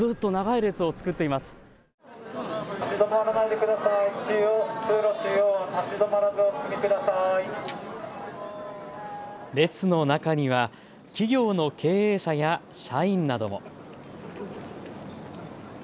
列の中には企業の経営者や社員なども。